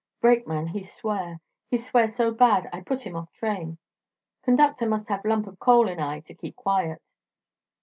Brakeman he swear; he swear so bad I put him off train. Conductor must have lump of coal in eye to keep quiet.